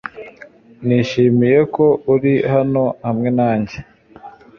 Nishimiye ko uri hano hamwe nanjye .